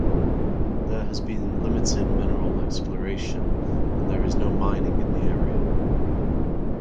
There has been limited mineral exploration and there is no mining in the area.